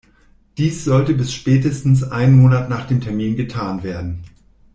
Dies sollte bis spätestens einen Monat nach dem Termin getan werden.